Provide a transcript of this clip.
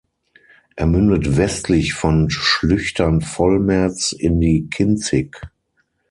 Er mündet westlich von Schlüchtern-Vollmerz in die "Kinzig".